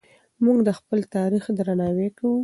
موږ د خپل تاریخ درناوی کوو.